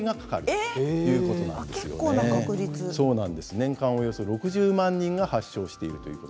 年間６０万人が発症しています。